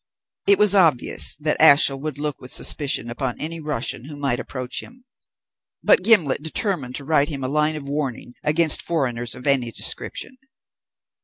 It was obvious that Ashiel would look with suspicion upon any Russian who might approach him, but Gimblet determined to write him a line of warning against foreigners of any description.